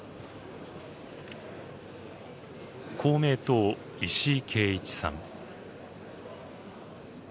公明党、石井啓一さん。